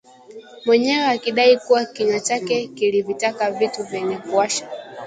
mwenyewe akidai kuwa kinywa chake kilivitaka vitu vyenye kuwasha